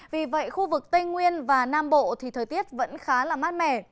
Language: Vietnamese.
vì vậy khu vực tây nguyên và nam bộ thì thời tiết vẫn khá là mát mẻ